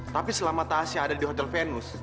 tapi selama tahasha ada di hotel venus